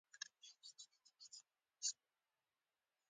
دا د سوچیتپیکویز ساحل کې د سوداګریز بندر پراختیا پروژه وه.